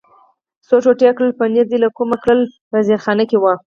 څو ټوټې کړل، پنیر دې له کومه کړل؟ په زیرخانه کې و.